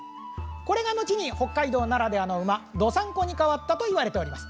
これが後に北海道ならではの馬どさんこに変わったといわれております。